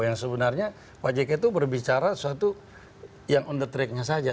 yang sebenarnya pak jk itu berbicara sesuatu yang on the track nya saja